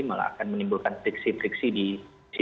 malah akan menimbulkan triksi